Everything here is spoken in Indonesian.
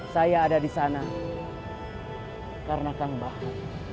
saya ada di sana karena kang bahu